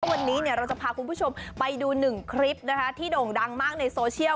วันนี้เราจะพาคุณผู้ชมไปดูหนึ่งคลิปนะคะที่โด่งดังมากในโซเชียล